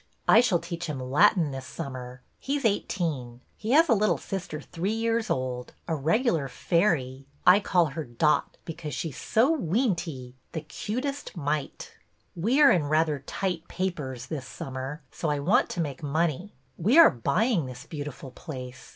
I shall teach him Latin this summer. He 's eighteen. He has a little sister three years old, a regular fairy. I call her Dot because she is so weenty, the cutest mite! We are in rather tight papers this summer, so I want to make money. We are buying this beautiful place.